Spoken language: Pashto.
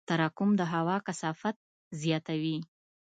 تراکم د هوا کثافت زیاتوي.